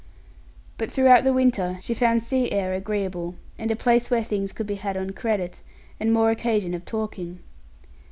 But throughout the winter, she found sea air agreeable, and a place where things could be had on credit, and more occasion of talking.